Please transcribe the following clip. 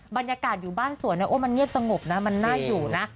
บรรยากาศอยู่บ้านสวนมันเงียบสงบนะมันน่าอยู่นะ